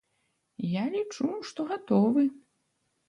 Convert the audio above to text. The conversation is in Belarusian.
Я лічу, што гатовы.